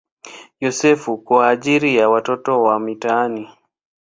Yosefu" kwa ajili ya watoto wa mitaani.